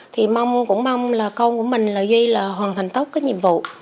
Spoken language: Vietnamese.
thì mong cũng mong là con của mình là duy là hoàn thành tốt cái nhiệm vụ